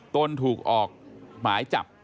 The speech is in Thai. ตนถูกออกหมายจับ